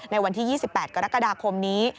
ในวันที่๒๘กรกฎาคมนี้